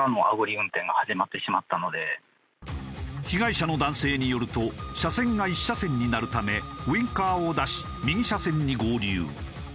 被害者の男性によると車線が１車線になるためウィンカーを出し右車線に合流。